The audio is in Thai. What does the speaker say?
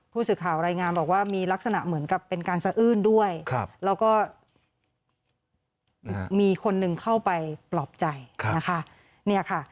ผู้สื่อข่าวรายงานบอกว่ามีลักษณะเหมือนกับเป็นการสะอื้นด้วยแล้วก็มีคนหนึ่งเข้าไปปลอบใจนะคะ